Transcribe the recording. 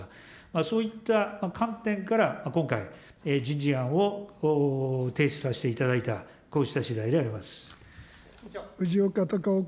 そういった観点から、今回、人事案を提出させていただいた、藤岡隆雄君。